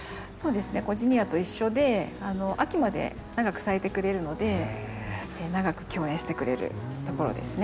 ジニアと一緒で秋まで長く咲いてくれるので長く共演してくれるところですね。